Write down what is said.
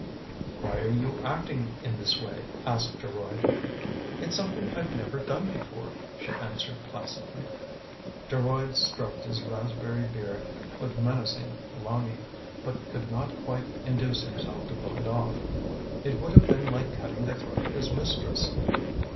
" Why are you acting in this way? " asked Geroid. " It's something I've never done before/' she answered placidly. Geroid stroked his raspberry beard with menacing longing but could not quite induce himself to pull it off. It would have been like cutting the throat of his mistress.